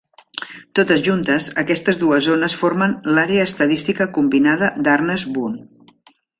Totes juntes, aquestes dues zones formen l'Àrea Estadística Combinada d'Arnes-Boone.